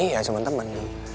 iya cuman temen